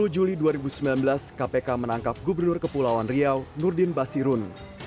dua puluh juli dua ribu sembilan belas kpk menangkap gubernur kepulauan riau nurdin basirun